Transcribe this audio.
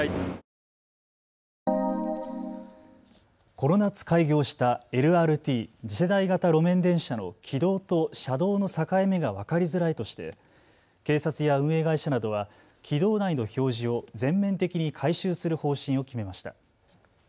この夏、開業したＬＲＴ・次世代型路面電車の軌道と車道の境目が分かりづらいとして警察や運営会社などは軌道内の表示を全面的に改修する方針を決めました。